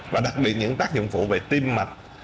và đặc biệt những tác dụng phụ về tim mạch